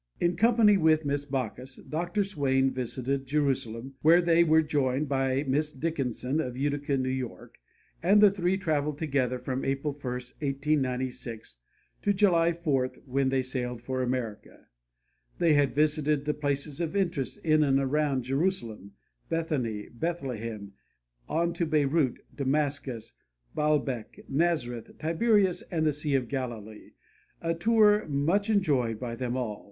In company with Miss Baucus, Dr. Swain visited Jerusalem, where they were joined by Miss Dickinson of Utica, N.Y., and the three traveled together from April 1, 1896 to July 4, when they sailed for America. They had visited the places of interest in and around Jerusalem, Bethany, Bethlehem, on to Beirut, Damascus, Baalbek, Nazareth, Tiberias and the Sea of Galilee, a tour much enjoyed by them all.